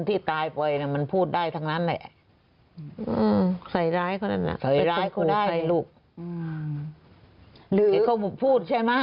พี่เมย์ไม่รู้เรื่องเรื่องคมครู